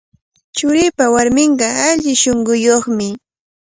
Churiipa warminqa alli shunquyuqmi.